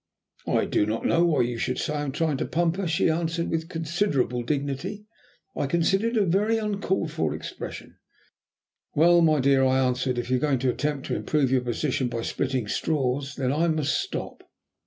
"I do not know why you should say I am trying to pump her," she answered with considerable dignity. "I consider it a very uncalled for expression." "Well, my dear," I answered, "if you are going to attempt to improve your position by splitting straws, then I must stop."